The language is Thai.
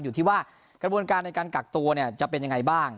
อยู่ที่ว่ากระบวนการในการกักตัวเนี่ยจะเป็นยังไงบ้าง